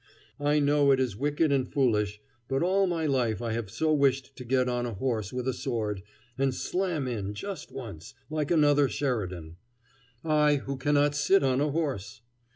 I know it is wicked and foolish, but all my life I have so wished to get on a horse with a sword, and slam in just once, like another Sheridan. I, who cannot sit on a horse!